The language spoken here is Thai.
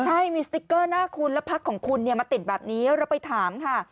ใช่มีสติ๊กเกอร์หน้าคุณแล้วพักของคุณเนี่ยมาติดแบบนี้เราไปถามค่ะ